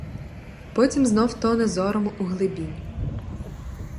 Потім знов тоне зором у глибінь.